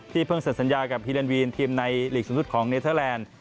เพิ่งเสร็จสัญญากับฮีแนนวีนทีมในหลีกสูงสุดของเนเทอร์แลนด์